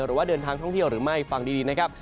หรือว่าเดินทางท่องเที่ยวหรือไม่ฟังดีนะครับ